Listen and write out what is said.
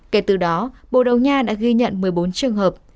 kể từ đó bồ đầu nha đã ghi nhận một mươi bốn trường hợp